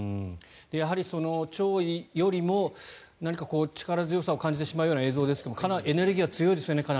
やはり潮位よりも何か力強さを感じてしまう映像ですがかなりエネルギーが強いですね。